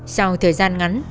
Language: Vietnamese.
sau thời gian ngắn